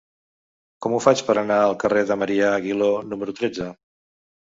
Com ho faig per anar al carrer de Marià Aguiló número tretze?